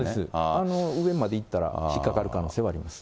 あの上まで行ったら引っ掛かる可能性あります。